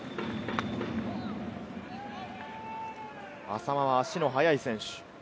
浅間は足の速い選手。